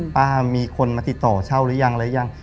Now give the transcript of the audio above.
ป้ามีคนมาติดต่อเช่าหรือยังหรือยัง